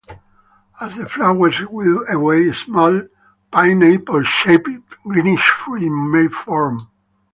As the flowers wilt away, small pineapple-shaped greenish fruit may form.